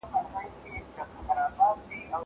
زه مخکي کتابتوني کار کړي وو!!